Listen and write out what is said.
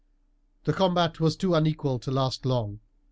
The combat was too unequal to last long.